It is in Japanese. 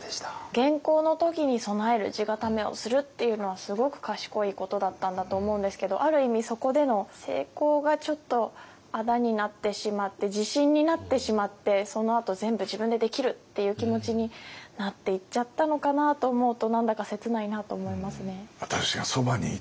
元寇の時に備える地固めをするっていうのはすごく賢いことだったんだと思うんですけどある意味そこでの成功がちょっとあだになってしまって自信になってしまってそのあと全部自分でできるっていう気持ちになっていっちゃったのかなと思うと何だか切ないなと思いますね。